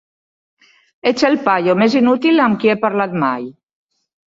Ets el paio més inútil amb qui he parlat mai.